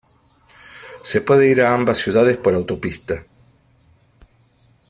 Se puede ir a ambas ciudades por autopista.